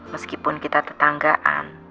meskipun kita tetanggaan